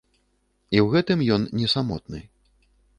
І ў гэтым ён не самотны.